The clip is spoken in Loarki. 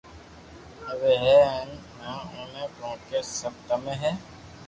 آوي ھي ھين نھ آوئي ڪونڪھ سب تمي ھي